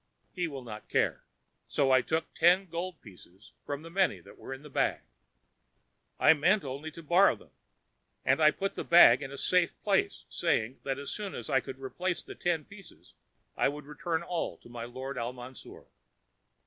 He will not care.' So I took ten gold pieces from the many that were in the bag. "I meant only to borrow them. And I put the bag in a safe place, saying that as soon as I could replace the ten pieces, I would return all to my lord Al Mansour.